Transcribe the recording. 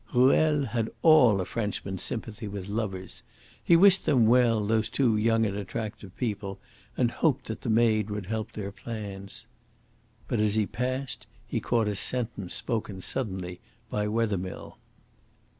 Ruel had all a Frenchman's sympathy with lovers. He wished them well, those two young and attractive people, and hoped that the maid would help their plans. But as he passed he caught a sentence spoken suddenly by Wethermill.